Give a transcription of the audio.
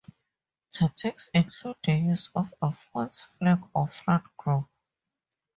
Tactics include the use of a false flag or front group.